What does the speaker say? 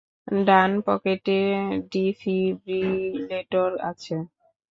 ডান পকেটে ডিফিব্রিলেটর আছে।